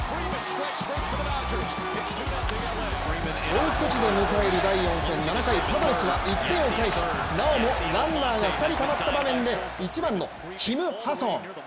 本拠地で迎える第４戦７回、パドレスは１点を返しなおもランナーが２人たまった場面で１番のキム・ハソン。